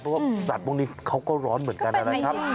เพราะว่าสัตว์ตรงนี้เขาก็ร้อนเหมือนกัน